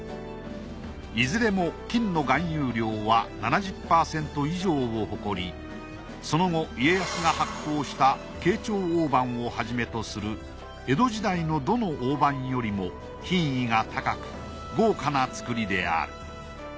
いずれも金の含有量は７０％以上を誇りその後家康が発行した慶長大判をはじめとする江戸時代のどの大判よりも品位が高く豪華な作りである。